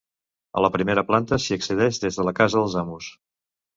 A la primera planta s’hi accedeix des de la casa dels amos.